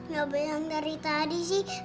gak bayang dari tadi sih